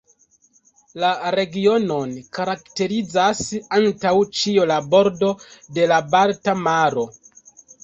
La regionon karakterizas antaŭ ĉio la bordo de la Balta maro.